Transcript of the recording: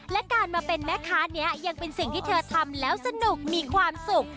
และการมาเป็นแม่ค้านี้ยังเป็นสิ่งที่เธอทำแล้วสนุกมีความสุข